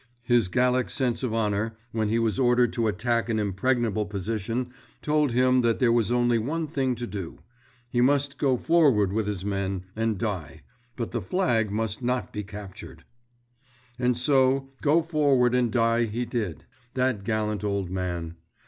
His Gallic sense of honor, when he was ordered to attack an impregnable position, told him that there was only one thing to do. He must go forward with his men, and die—but the flag must not be captured. And so, go forward and die he did, that gallant old man.